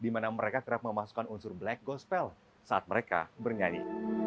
yang terap memasukkan unsur black gospel saat mereka bernyanyi